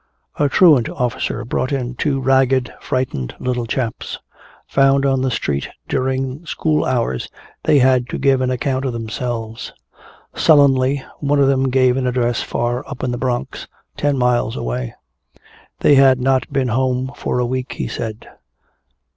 A truant officer brought in two ragged, frightened little chaps. Found on the street during school hours, they had to give an account of themselves. Sullenly one of them gave an address far up in the Bronx, ten miles away. They had not been home for a week, he said.